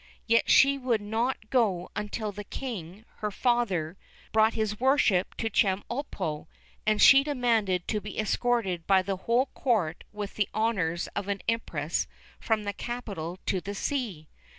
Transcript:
Yet she would not go until the King, her father, brought his warship to Chemulpo, and she demanded to be escorted by the whole court with the honours of an Empress from the capital to the sea.